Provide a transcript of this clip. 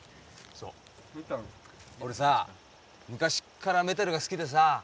そう俺さ昔っからメタルが好きでさ